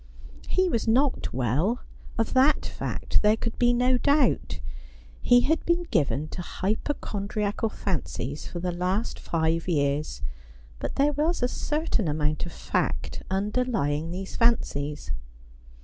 He was not well. Of that fact there could be no doubt. He had been given to hypochondriacal fancies for the last five years, but there was a certain amount of fact underlying these fancies.